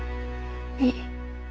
いい。